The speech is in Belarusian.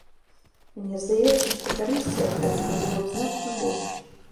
Мне здаецца, што карысці ад гэтага было б значна больш.